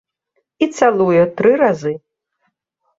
І цалуе тры разы.